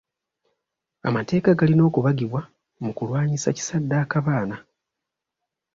Amateeka galina okubagibwa mu kulwanyisa kisaddaaka baana.